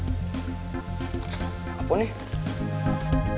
bisa sekali kau ya bersilap indah